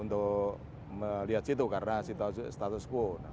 untuk melihat situ karena status quo